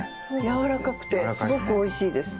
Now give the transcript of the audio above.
軟らかくてすごくおいしいです。